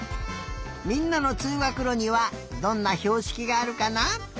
みんなのつうがくろにはどんなひょうしきがあるかな？